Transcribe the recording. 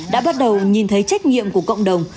đã bắt đầu nhìn thấy trách nhiệm của cộng đồng